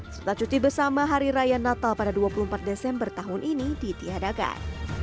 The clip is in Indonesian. setelah cuti bersama hari raya natal pada dua puluh empat desember tahun ini ditiadakan